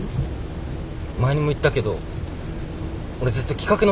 前にも言ったけど俺ずっと企画の仕事がしたくて。